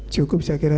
cukup saya kira kak